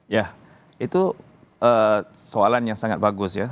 ya itu soalan yang sangat bagus ya